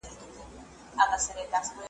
لا یې منځ د شنه ځنګله نه وو لیدلی .